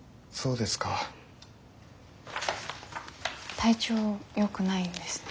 体調よくないんですね。